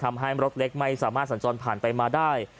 ทำให้รถเล็กไม่สามารถสัญจรผ่านไปมาได้